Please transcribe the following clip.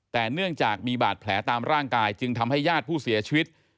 แต่เนื่องจากมีบาดแผลตามร่างกายจึงทำให้ญาติผู้เสียชีวิต